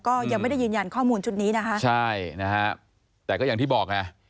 ก็ยังไม่ได้ยืนยันข้อมูลชุดนี้นะคะใช่นะฮะแต่ก็อย่างที่บอกไง